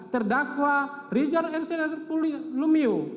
terdakwa rijal elisir pudihang lumio